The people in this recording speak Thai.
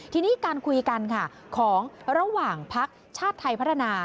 ทีนี้การคุยกันค่ะของระหว่างพักชาติไทยพัฒนา